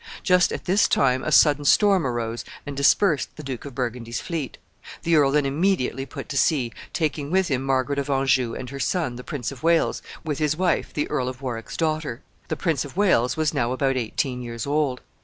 Just at this time a sudden storm arose and dispersed the Duke of Burgundy's fleet. The earl then immediately put to sea, taking with him Margaret of Anjou and her son, the Prince of Wales, with his wife, the Earl of Warwick's daughter. The Prince of Wales was now about eighteen years old.